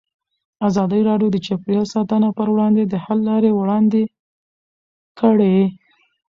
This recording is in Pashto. ازادي راډیو د چاپیریال ساتنه پر وړاندې د حل لارې وړاندې کړي.